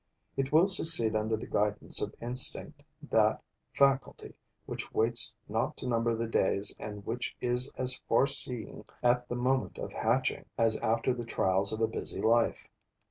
It will succeed under the guidance of instinct, that faculty which waits not to number the days and which is as far seeing at the moment of hatching as after the trials of a busy life.